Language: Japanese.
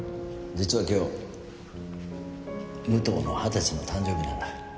実は今日武藤の二十歳の誕生日なんだ